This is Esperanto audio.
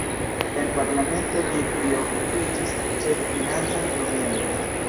En parlamento li priokupiĝis ĉefe financajn problemojn.